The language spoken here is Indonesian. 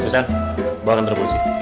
susan bawa kantor polisi